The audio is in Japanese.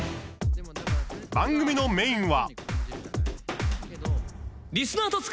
番組のメインは。